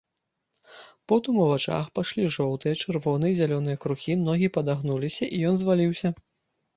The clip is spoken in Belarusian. Потым у вачах пайшлі жоўтыя, чырвоныя і зялёныя кругі, ногі падагнуліся, і ён зваліўся.